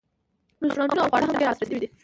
رسټورانټونه او خواړه هم ډېر عصري شوي.